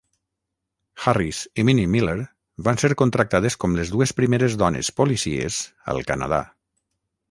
Harris i Minnie Miller van ser contractades com les dues primeres dones policies al Canadà.